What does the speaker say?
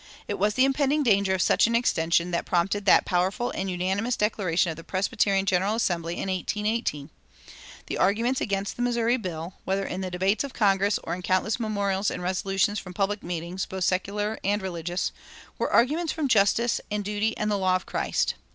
It was the impending danger of such an extension that prompted that powerful and unanimous declaration of the Presbyterian General Assembly in 1818. The arguments against the Missouri bill, whether in the debates of Congress or in countless memorials and resolutions from public meetings both secular and religious, were arguments from justice and duty and the law of Christ.